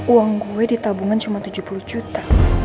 uang gue ditabungan cuma tujuh puluh juta